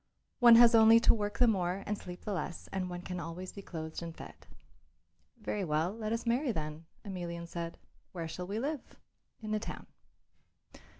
"One has only to work the more and sleep the less and one can always be clothed and fed." "Very well; let us marry, then," Emelian said. "Where shall we live?" "In the town."